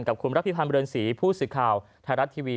กับคุณรับพิพันธ์เรือนศรีผู้สื่อข่าวไทยรัฐทีวี